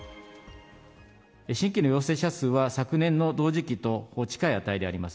新規の陽性者数は、昨年の同時期と近い値であります。